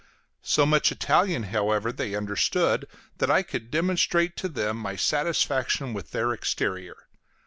So much Italian, however, they understood that I could demonstrate to them my satisfaction with their exterior.